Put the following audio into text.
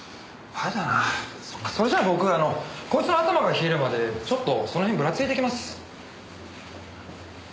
あれだなそっかそれじゃあ僕こいつの頭が冷えるまでちょっとその辺ぶらついてきます。